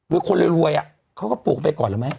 ด้วยคนเรียนรวยอะเขาก็ปลูกไปก่อนหรือไหม